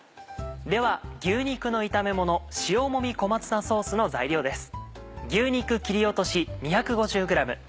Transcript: では「牛肉の炒めもの塩もみ小松菜ソース」の材料です。